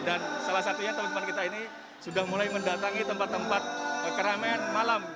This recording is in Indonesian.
dan salah satunya teman teman kita ini sudah mulai mendatangi tempat tempat keramen malam